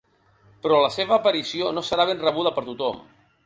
Però la seva aparició no serà ben rebuda per tothom.